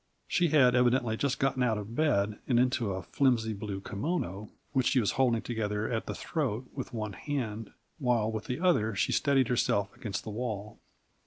She had evidently just gotten out of bed, and into a flimsy blue kimono, which she was holding together at the throat with one hand, while with the other she steadied herself against the wall.